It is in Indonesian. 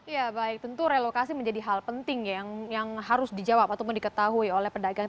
ya baik tentu relokasi menjadi hal penting yang harus dijawab ataupun diketahui oleh pedagang